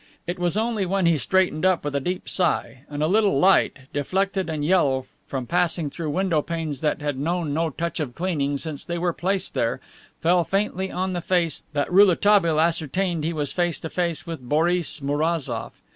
It was only when he straightened up, with a deep sigh, and a little light, deflected and yellow from passing through window panes that had known no touch of cleaning since they were placed there, fell faintly on the face, that Rouletabille ascertained he was face to face with Boris Mourazoff.